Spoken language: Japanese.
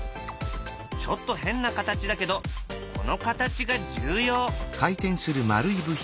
ちょっと変な形だけどこの形が重要。